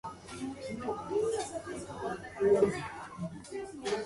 West Deptford Township is governed under the Township form of government.